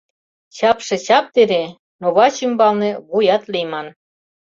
Чапше чап дене, но ваче ӱмбалне вуят лийман.